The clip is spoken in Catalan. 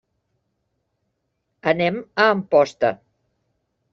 Anem a Amposta.